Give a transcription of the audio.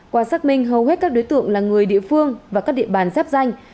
qua xác minh hầu hết các đối tượng là người địa phương và các địa bàn giáp danh